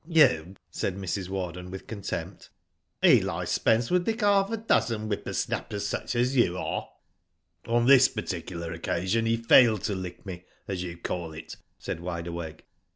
'You," said Mrs. Warden, with contempt. '^Eli Spence would lick half a dozen whipper snappers such as you are." '^ On this particular occasion he failed to lick me as you call it," said Wide Awake.